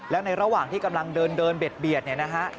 แล้วในระหว่างที่กำลังเดินเบียดเนี่ยนะฮะ